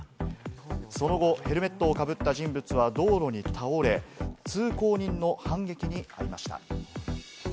その後ヘルメットをかぶった人物は道路に倒れ、通行人の反撃にあいました。